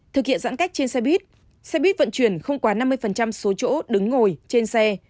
thực hiện giãn cách trên xe buýt xe buýt vận chuyển không quá năm mươi số chỗ đứng ngồi trên xe